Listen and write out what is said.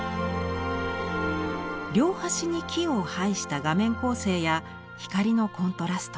両端に木を配した画面構成や光のコントラスト。